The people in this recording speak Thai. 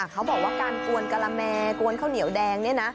เขาบอกว่าการกวนกะละแมกวนข้าวเหนียวแดงเนี่ยนะ